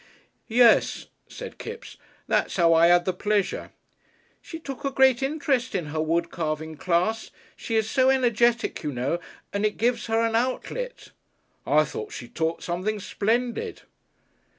"Yes," said Kipps, "that's 'ow I 'ad the pleasure " "She took a great interest in her wood carving class. She is so energetic, you know, and it gives her an Outlet." "I thought she taught something splendid."